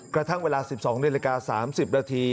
กระทั่งเวลา๑๒นาฬิกา๓๐นาที